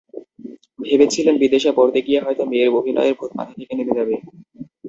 ভেবেছিলেন বিদেশে পড়তে গিয়ে হয়তো মেয়ের অভিনয়ের ভূত মাথা থেকে নেমে যাবে।